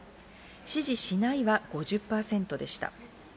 支持しないは５０％でした。